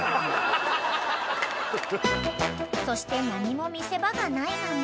［そして何も見せ場がないまま］